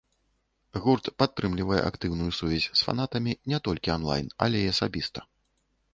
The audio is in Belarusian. Гурт падтрымлівае актыўную сувязь з фанатамі не толькі анлайн, але і асабіста.